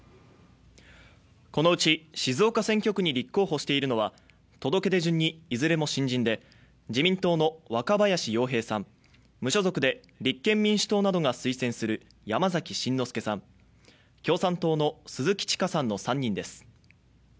このうち、静岡選挙区に立候補しているのは届け出順にいずれも新人で、自民党の若林洋平さん、無所属で立憲民主党などが推薦する山崎真之輔さん、共産党の鈴木千佳さんの３人です。